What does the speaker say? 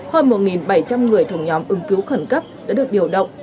hơn một bảy trăm linh người thuộc nhóm ứng cứu khẩn cấp đã được điều động